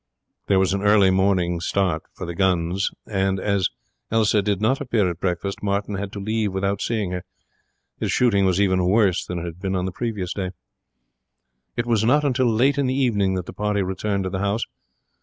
There was an early start for the guns next morning, and as Elsa did not appear at breakfast Martin had to leave without seeing her. His shooting was even worse than it had been on the previous day. It was not until late in the evening that the party returned to the house.